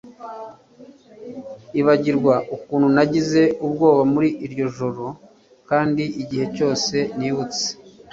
ibagirwa ukuntu nagize ubwoba muri iryo joro, kandi igihe cyose nibutse